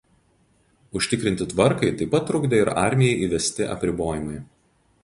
Užtikrinti tvarkai taip pat trukdė ir armijai įvesti apribojimai.